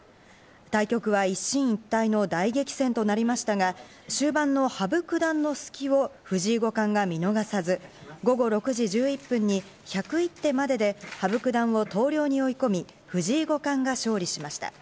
対局は一進一退の大激戦となりましたが、終盤の羽生九段の隙を藤井五冠が見逃さず、午後６時１１分に、１０１手までで羽生九段を投了に追い込み、藤井五冠が勝利しました。